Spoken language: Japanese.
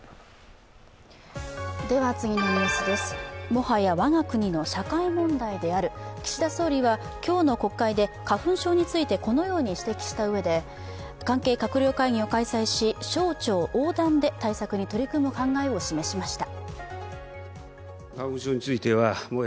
もはや我が国の社会問題である岸田総理は今日の国会で花粉症についてこのように指摘したうえで、関係閣僚会議を開催し省庁横断で対策に取り組む考えを示しました。